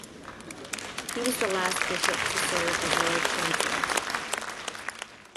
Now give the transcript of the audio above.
He was the last bishop to serve as lord chancellor.